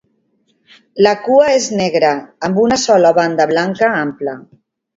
La cua és negra amb una sola banda blanca ampla.